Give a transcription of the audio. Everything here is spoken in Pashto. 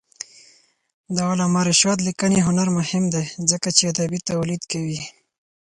د علامه رشاد لیکنی هنر مهم دی ځکه چې ادبي تولید کوي.